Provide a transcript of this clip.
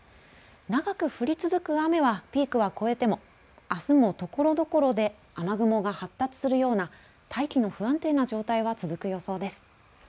長く降り続く雨はピークは越えてもあすもところどころで雨雲が発達するような大気の不安定な状態は続く予想です。